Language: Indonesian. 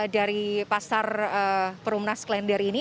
dari pasar perumnas klender ini